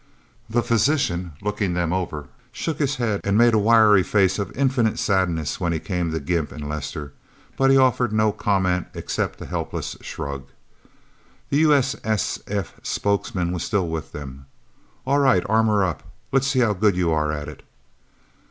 The physician, looking them over, shook his head and made a wry face of infinite sadness, when he came to Gimp and Lester, but he offered no comment except a helpless shrug. The U.S.S.F. spokesman was still with them. "All right armor up. Let's see how good you are at it."